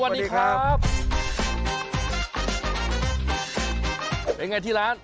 เป็นอย่างไรที่ร้าน